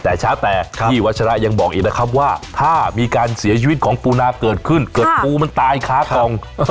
แต่ช้าแต่พี่วัชรายังบอกอีกนะครับว่าถ้ามีการเสียชีวิตของปูนาเกิดขึ้นเกิดปูมันตายค้ากอง